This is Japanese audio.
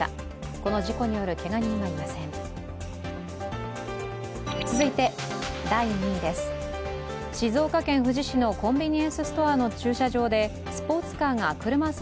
この事故によるけが人はいません。